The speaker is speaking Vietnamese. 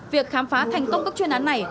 việc khám phá thành công các chuyên án này